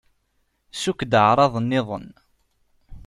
Sukk-d aεṛaḍ-nniḍen.